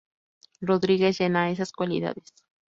Rodríguez llena esas cualidades.